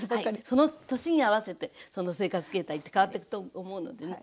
その年に合わせてその生活形態って変わってくと思うのでね。